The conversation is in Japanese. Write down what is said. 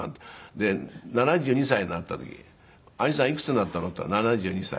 で７２歳になった時「兄さんいくつになったの？」って言ったら「７２歳」。